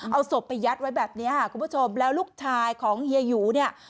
เอาศพไปยัดไว้แบบนี้ค่ะคุณผู้ชมแล้วลูกชายของเฮียหยูเนี่ย